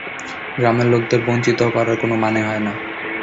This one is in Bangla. গ্রামের লোকদের বঞ্চিত করার কোনো মানে হয় না।